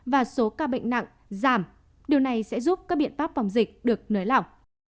và số ca bệnh nặng giảm điều này sẽ giúp các biện pháp phòng dịch được nới lỏng